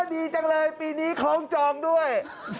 ดีจังเลยปีนี้คล้องจองด้วย